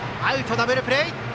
ダブルプレー！